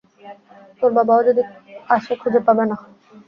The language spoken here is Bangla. তোর বাবাও যদি আসে খুঁজে পাবে না।